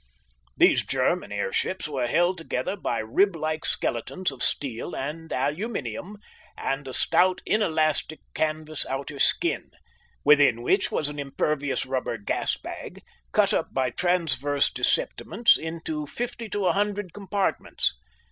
These German airships were held together by rib like skeletons of steel and aluminium and a stout inelastic canvas outer skin, within which was an impervious rubber gas bag, cut up by transverse dissepiments into from fifty to a hundred compartments.